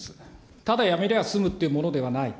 ただ辞めりゃ済むというものではないと。